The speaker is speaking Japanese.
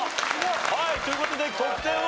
はいという事で得点は？